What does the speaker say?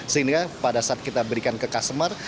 sehingga pada saat kita berikan ke customer